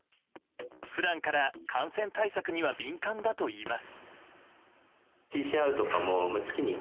普段から、感染対策には敏感だといいます。